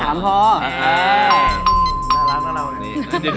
น่ารักน่ารัก